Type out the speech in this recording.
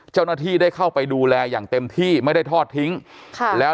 เจ้าหน้าที่ได้เข้าไปดูแลอย่างเต็มที่ไม่ได้ทอดทิ้งค่ะแล้ว